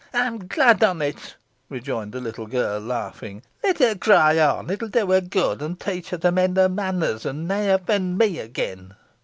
"Ey'm glad on it," rejoined the little girl, laughing; "let her cry on. It'll do her good, an teach her to mend her manners, and nah offend me again."